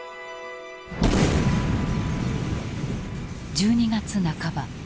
１２月半ば。